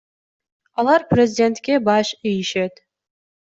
Алар президентке баш ийишет.